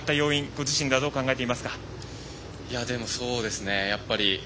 ご自身ではどう考えていますか。